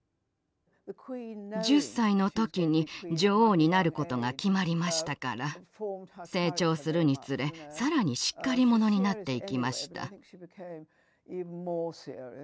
１０歳の時に女王になることが決まりましたから成長するにつれ更にしっかり者になっていきました。